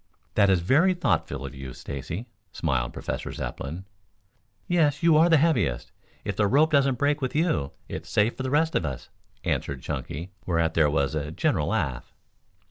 "That is very thoughtful of you, Stacy," smiled Professor Zepplin. "Yes, you are the heaviest. If the rope doesn't break with you, it's safe for the rest of us," answered Chunky, whereat there was a general laugh.